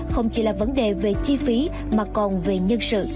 không chỉ là vấn đề về chi phí mà còn về nhân sự